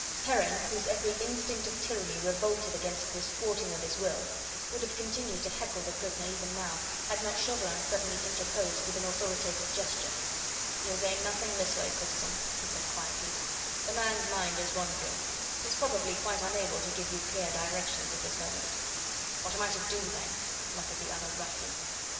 Heron, whose every instinct of tyranny revolted against this thwarting of his will, would have continued to heckle the prisoner even now, had not Chauvelin suddenly interposed with an authoritative gesture. "You'll gain nothing this way, citizen," he said quietly; "the man's mind is wandering; he is probably quite unable to give you clear directions at this moment." "What am I to do, then?" muttered the other roughly.